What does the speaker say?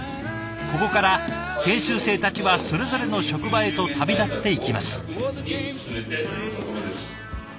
ここから研修生たちはそれぞれの職場へと旅立っていきます。